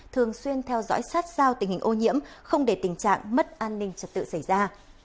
thường xuyên theo dõi sát sao tình hình ô nhiễm không để tình trạng mất an ninh trật tự xảy ra